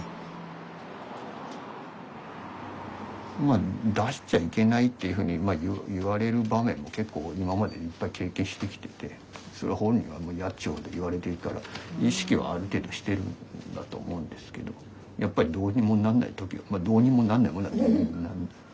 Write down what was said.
まあ出しちゃいけないっていうふうに言われる場面も結構今までいっぱい経験してきててそれ本人がもう嫌っちゅうほど言われてるから意識はある程度してるんだと思うんですけどやっぱりどうにもなんない時まあどうにもなんないもんだと。